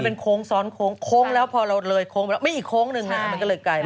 เป็นโค้งซ้อนโค้งโค้งแล้วพอเราเลยโค้งไปแล้วมีอีกโค้งหนึ่งนะมันก็เลยไกลแล้ว